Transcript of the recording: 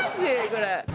これ。